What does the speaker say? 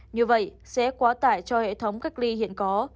như vậy sẽ quá tải cho hệ thống cách ly hiện có